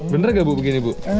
benar nggak bu begini bu